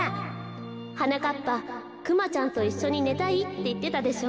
はなかっぱクマちゃんといっしょにねたいっていってたでしょ。